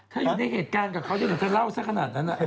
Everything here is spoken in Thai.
ถ้าอยู่ในเหตุการณ์กับเขาจะเหมือนจะเล่าสักขนาดนั้นอ่ะ